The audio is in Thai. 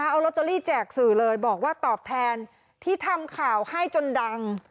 เอาลอตเตอรี่แจกสื่อเลยบอกว่าตอบแทนที่ทำข่าวให้จนดัง